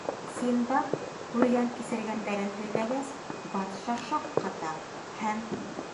Синдбад күргән-кисергәндәрен һөйләгәс, батша шаҡ ҡата һәм: